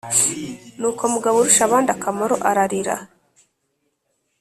nuko mugaburushabandakamaro ararira